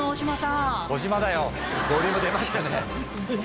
ボリューム出ましたね。